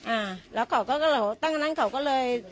อ่าแล้วเขาก็เลยตั้งอันนั้นเขาก็เลย